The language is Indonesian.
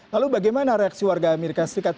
lalu bagaimana reaksi warga amerika serikat